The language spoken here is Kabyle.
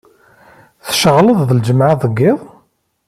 Tceɣleḍ d lǧemɛa deg yiḍ?